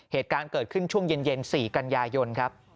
เหตุการณ์เกิดขึ้นช่วงเย็น๔กันยายนครับ